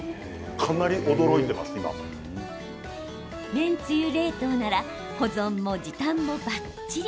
麺つゆ冷凍なら保存も時短もばっちり。